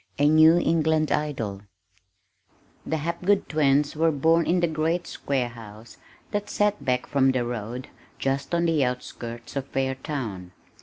A New England Idol The Hapgood twins were born in the great square house that set back from the road just on the outskirts of Fairtown.